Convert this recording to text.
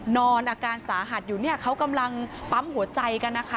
นอนอาการสาหัสอยู่เนี่ยเขากำลังปั๊มหัวใจกันนะคะ